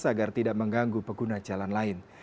agar tidak mengganggu pengguna jalan lain